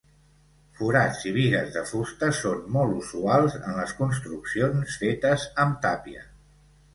Forats i bigues de fusta són molt usuals en les construccions fetes amb tàpia.